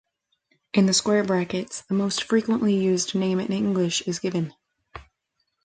In the square brackets, the most frequently used name in English is given.